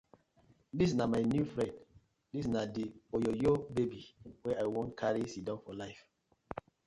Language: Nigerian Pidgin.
Dis na my new friend, dis na di oyoyo babi wey I won karry sidon for life.